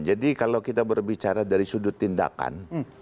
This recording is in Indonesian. jadi kalau kita berbicara dari sudut tindakan